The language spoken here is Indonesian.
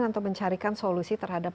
atau mencarikan solusi terhadap